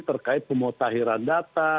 terkait pemotahiran data